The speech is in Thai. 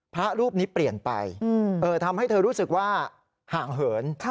พระรูปนี้เปลี่ยนไปทำให้เธอรู้สึกว่าห่างเหิน